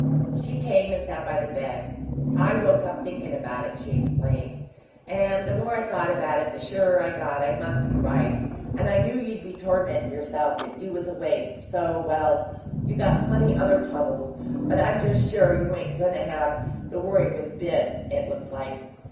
She came and sat by the bed. "I woke up thinkin' about it," she explained. "And the more I thought about it the surer I got I must be right, and I knew you'd be tormentin' yourself if you was awake, so well, you got plenty other troubles, but I'm just sure you ain't goin' to have the worry with Bibbs it looks like."